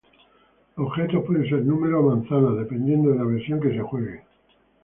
Los objetos pueden ser números o manzanas dependiendo de la versión que se juegue.